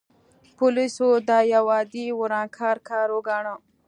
پولیسو دا یو عادي ورانکار کار وګاڼه.